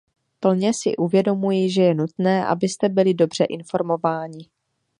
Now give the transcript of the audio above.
Plně si uvědomuji, že je nutné, abyste byli dobře informováni.